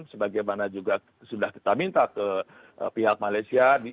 sebagaimana juga sudah kita minta ke pihak malaysia